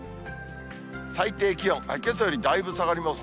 最低気温、けさよりだいぶ下がります。